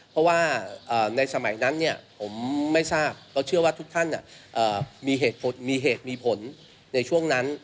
เพราะว่าในสมัยนั้นผมไม่ทราบเราเชื่อว่าทุกท่านมีเหตุมีผลในช่วงนั้น